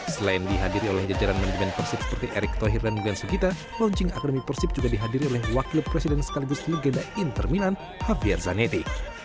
selain dihadiri oleh jajaran manajemen persib seperti erick tohir dan gansugita launching akademi persib juga dihadiri oleh wakil presiden sekaligus legenda inter milan javier zanetti